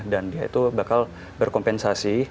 dan dia itu bakal berkompensasi